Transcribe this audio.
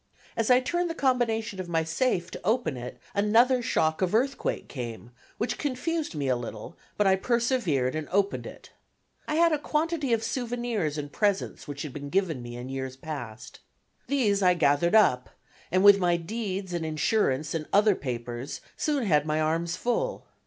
As I turned the combination of my safe to open it another shock of earthquake came, which confused me a little, but I persevered and opened it. I had a quantity of souvenirs and presents which had been given me in years past. These I gathered up, and with my deeds and insurance and other papers soon had my arms full.